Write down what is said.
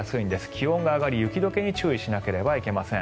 気温が上がり雪解けに注意しなければなりません。